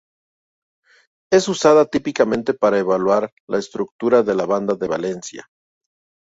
Es usada típicamente para evaluar la estructura de la banda de valencia.